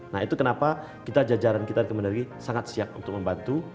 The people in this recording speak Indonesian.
nah itu kenapa jajaran kita di kementerian dari dari sangat siap untuk membantu